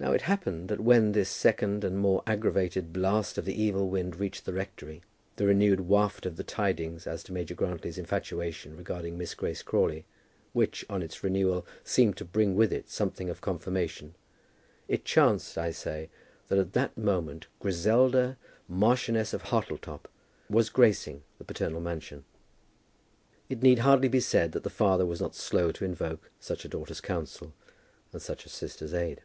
Now it happened that when this second and more aggravated blast of the evil wind reached the rectory, the renewed waft of the tidings as to Major Grantly's infatuation regarding Miss Grace Crawley, which, on its renewal, seemed to bring with it something of confirmation, it chanced, I say, that at that moment Griselda, Marchioness of Hartletop, was gracing the paternal mansion. It need hardly be said that the father was not slow to invoke such a daughter's counsel, and such a sister's aid.